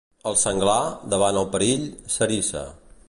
El senglar, davant el perill, s'eriça.